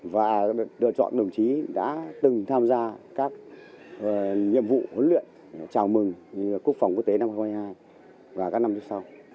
và lựa chọn đồng chí đã từng tham gia các nhiệm vụ huấn luyện chào mừng quốc phòng quốc tế năm hai nghìn hai mươi hai và các năm tiếp sau